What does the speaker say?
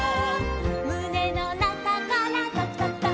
「むねのなかからとくとくとく」